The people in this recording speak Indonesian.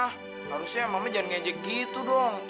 ah harusnya mama jangan ngejek gitu dong